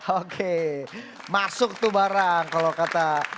oke masuk tuh barang kalau kata